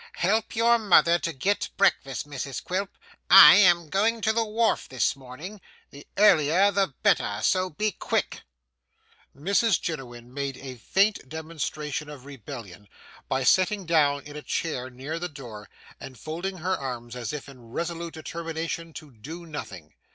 'Help your mother to get breakfast, Mrs Quilp. I am going to the wharf this morning the earlier the better, so be quick.' Mrs Jiniwin made a faint demonstration of rebellion by sitting down in a chair near the door and folding her arms as if in a resolute determination to do nothing.